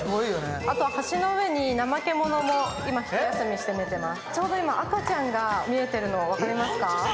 あとは橋の上にナマケモノも今、一休みして、寝ています。